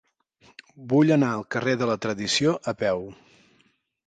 Vull anar al carrer de la Tradició a peu.